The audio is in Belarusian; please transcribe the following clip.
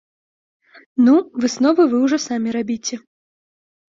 Ну, высновы вы ўжо самі рабіце.